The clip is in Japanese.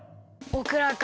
オクラか。